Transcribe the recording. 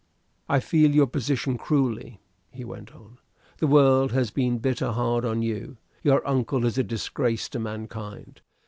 "I feel your position cruelly," he went on. "The world has been bitter hard on you. Your uncle is a disgrace to mankind.